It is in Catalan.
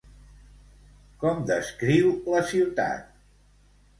Com descriu la ciutat?